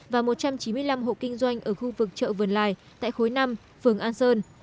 và một trăm chín mươi năm hộ kinh doanh ở khu vực chợ vườn lài tại khối năm phường an sơn